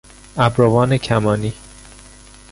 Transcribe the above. ابروان کمانی